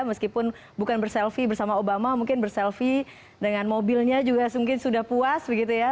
meskipun bukan berselfie bersama obama mungkin berselfie dengan mobilnya juga mungkin sudah puas begitu ya